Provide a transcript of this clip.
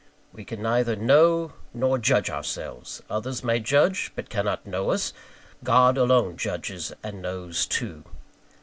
We can neither know nor judge ourselves; others may judge, but cannot know us: God alone judges and knows too.